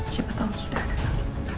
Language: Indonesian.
siapa tahu sudah ada